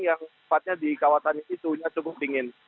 yang tepatnya di kawasan itu cukup dingin